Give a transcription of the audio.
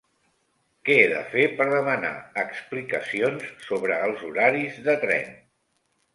Què he de fer per demanar explicacions sobre els horaris de tren?